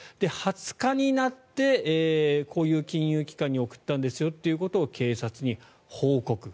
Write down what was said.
２０日になってこういう金融機関に送ったんですよということを警察に報告。